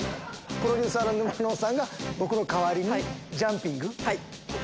プロデューサーの沼能さんが僕の代わりにジャンピング。